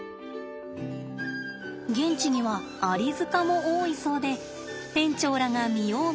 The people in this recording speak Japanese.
現地にはアリ塚も多いそうで園長らが見よう